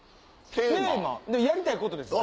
やりたいことですよね？